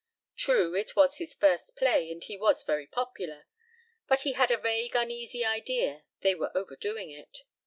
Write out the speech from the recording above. True, it was his first play and he was very popular. But he had a vague uneasy idea they were overdoing it.